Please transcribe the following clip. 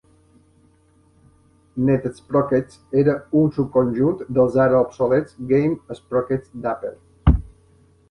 NetSprockets era un subconjunt dels ara obsolets Game Sprockets d'Apple.